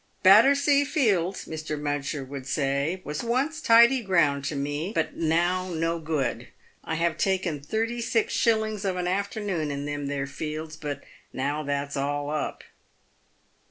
" Battersea fields," Mr. Mudgster would say, " was once tidy ground to me, but now no good. I have taken 36s. of an afternoon in them there fields, but now that's all up."